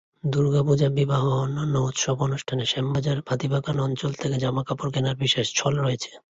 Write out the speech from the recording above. দুর্গাপূজা, বিবাহ ও অন্যান্য উৎসব অনুষ্ঠানে শ্যামবাজার-হাতিবাগান অঞ্চল থেকে জামাকাপড় কেনার বিশেষ চল রয়েছে।